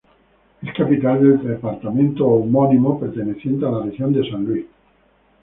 Es capital del departamento homónimo, perteneciente a la región de Saint-Louis.